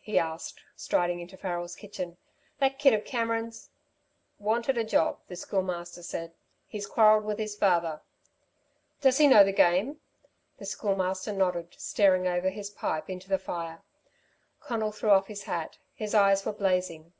he asked, striding into Farrel's kitchen. "That kid of Cameron's " "Wanted a job," the Schoolmaster said. "He's quarrelled with his father." "Does he know the game?" The Schoolmaster nodded, staring over his pipe into the fire. Conal threw off his hat. His eyes were blazing.